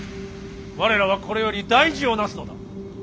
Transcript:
我らはこれより大事をなすのだ。